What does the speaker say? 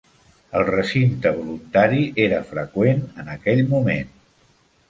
El recinte voluntari era freqüent en aquell moment.